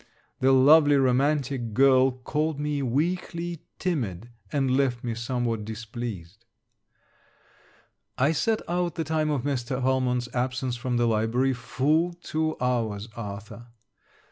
The lovely romantic girl called me weakly timid, and left me somewhat displeased. I sat out the time of Mr. Valmont's absence from the library, full two hours, Arthur.